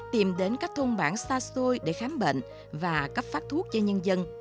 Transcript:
tìm đến các thôn bản xa xôi để khám bệnh và cấp phát thuốc cho nhân dân